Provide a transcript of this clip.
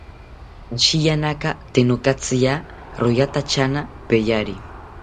Ashiyanaka tee nokatziya, royatatyana peyari